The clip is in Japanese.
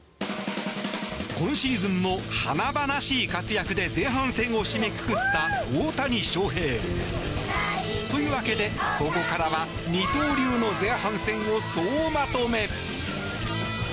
今シーズンも華々しい活躍で前半戦を締めくくった大谷翔平。というわけでここからは二刀流の前半戦を総まとめ。